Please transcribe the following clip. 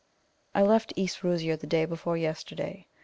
I left East Rusoer the day before yesterday.